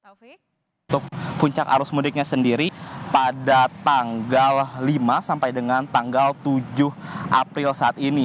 alvi untuk puncak arus mudiknya sendiri pada tanggal lima sampai dengan tanggal tujuh april saat ini